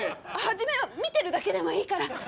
初めは見てるだけでもいいから！